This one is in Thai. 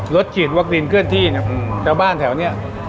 รถฉีดวัคตินเคลื่อนที่เนี่ยเจ้าบ้านแถวเนี่ย